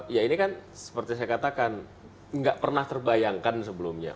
ya ini kan seperti saya katakan nggak pernah terbayangkan sebelumnya